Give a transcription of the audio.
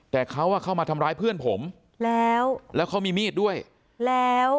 แต่เขาอ่ะเข้ามาทำร้ายเพื่อนผมแล้วแล้วเขามีมีดด้วยแล้ว